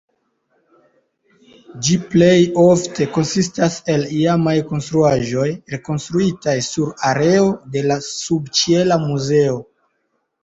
Ĝi plej ofte konsistas el iamaj konstruaĵoj, rekonstruitaj sur areo de la subĉiela muzeo.